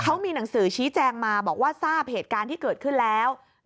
เขามีหนังสือชี้แจงมาบอกว่าทราบเหตุการณ์ที่เกิดขึ้นแล้ว